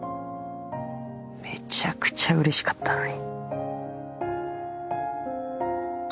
めちゃくちゃうれしかったのに。